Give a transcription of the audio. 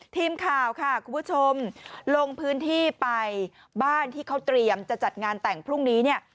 ทีมข่าวค่ะคุณผู้ชมลงพื้นที่ไปบ้านที่เขาเตรียมจะจัดงานแต่งพรุ่งนี้เนี่ย